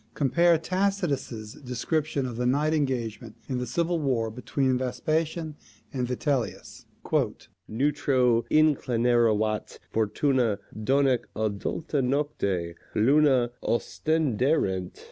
Compare Tacitus's description of the night engagement in the civil war between Vespasian and Vitellius: "Neutro inclinaverat fortuna, donec adulta nocte, LUNA OSTENDERET ACIES, FALERESQUE." Hist.